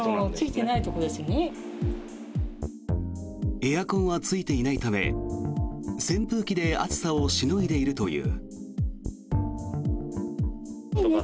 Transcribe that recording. エアコンはついていないため扇風機で暑さをしのいでいるという。